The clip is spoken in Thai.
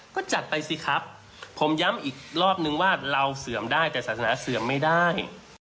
ก็จัดไปสิครับผมย้ำอีกรอบนึงว่าเราเสื่อมได้แต่ศาสนาเสื่อมไม่ได้